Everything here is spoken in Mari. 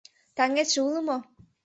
— Таҥетше уло мо?